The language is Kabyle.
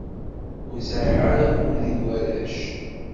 Ur sɛiɣ ara akud i warrac.